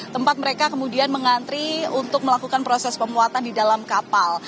tempat mereka kemudian mengantri untuk melakukan proses pemuatan di dalam kapal